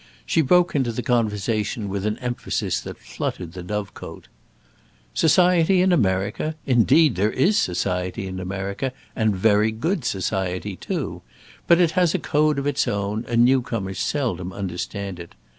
She broke into the conversation with an emphasis that fluttered the dove cote: "Society in America? Indeed there is society in America, and very good society too; but it has a code of its own, and new comers seldom understand it.